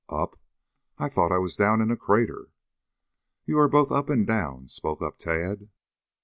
"Up? I thought I was down in a crater." "You are both up and down," spoke up Tad.